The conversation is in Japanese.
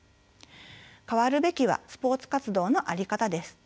変わるべきはスポーツ活動の在り方です。